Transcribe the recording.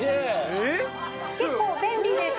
結構便利です。